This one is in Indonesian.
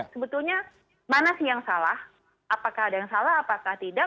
sebetulnya mana sih yang salah apakah ada yang salah apakah tidak